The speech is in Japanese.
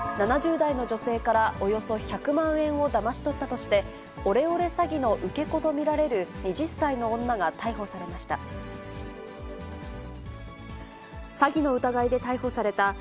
７０代の女性から、およそ１００万円をだまし取ったとして、オレオレ詐欺の受け子と見られる２０歳の女が逮捕されました。